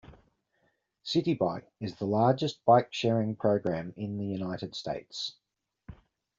Citi Bike is the largest bike sharing program in the United States.